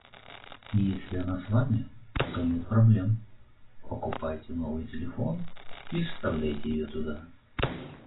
Если она с вами, то нет проблем - покупаете новый телефон и вставляете ее туда.